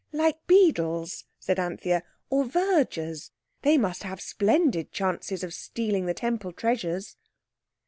"Like beadles," said Anthea, "or vergers. They must have splendid chances of stealing the Temple treasures."